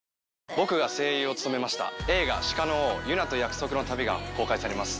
僕が声優を務めました映画『鹿の王ユナと約束の旅』が公開されます。